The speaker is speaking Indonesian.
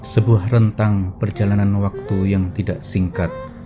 sebuah rentang perjalanan waktu yang tidak singkat